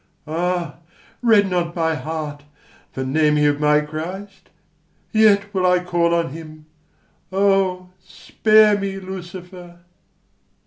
Ah, rend not my heart for naming of my Christ! Yet will I call on him: O, spare me, Lucifer!